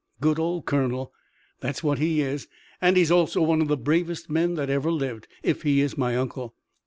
"Good old colonel!" "That's what he is, and he's also one of the bravest men that ever lived, if he is my uncle.